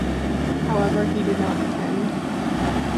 However, he did not attend.